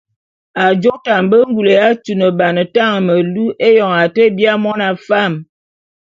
Ajô te a mbe ngule ya tuneban tañe melu éyoñ a te biaé mona fam.